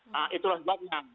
nah itulah sebabnya